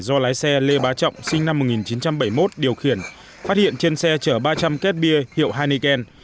do lái xe lê bá trọng sinh năm một nghìn chín trăm bảy mươi một điều khiển phát hiện trên xe chở ba trăm linh két bia hiệu heneken